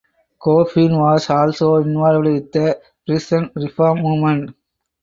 Coffin was also involved with the prison reform movement.